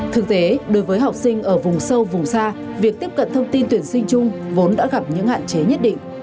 thực tế đối với học sinh ở vùng sâu vùng xa việc tiếp cận thông tin tuyển sinh chung vốn đã gặp những hạn chế nhất định